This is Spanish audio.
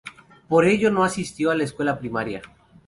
Por ello, no asistió a la escuela primaria.